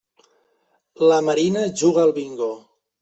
La Marina juga al bingo.